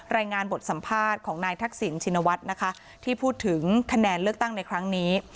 รายงานบทสัมภาษณ์ของนายทักษิณชินวัฒน์นะคะที่พูดถึงคะแนนเลือกตั้งในครั้งนี้